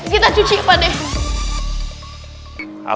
kita cuci pak d